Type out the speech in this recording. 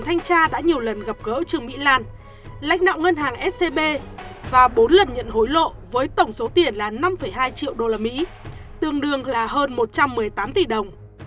trương mỹ lan đã nhiều lần gặp gỡ trương mỹ lan lách nạo ngân hàng scb và bốn lần nhận hối lộ với tổng số tiền là năm hai triệu usd tương đương là hơn một trăm một mươi tám tỷ đồng